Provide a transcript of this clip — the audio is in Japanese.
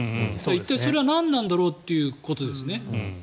一体それは何なんだろうということですね。